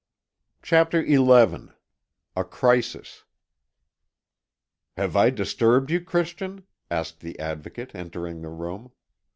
CHAPTER XI A CRISIS "Have I disturbed you, Christian?" asked the Advocate, entering the room.